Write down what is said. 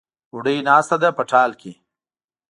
بوډۍ ناسته ده په ټال کې